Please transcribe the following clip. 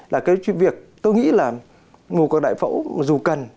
là cái chuyện việc tôi nghĩ là một cuộc đại phẫu dù cần